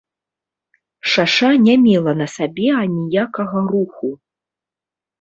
Шаша не мела на сабе аніякага руху.